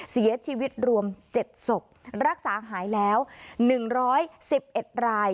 เสียชีวิตรวมเจ็ดศพรักษาหายแล้วหนึ่งร้อยสิบเอ็ดราย